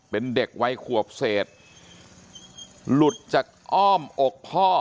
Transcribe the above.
เป็นเด็กวัยขวบเศษหลุดจากอ้อมอกพ่อ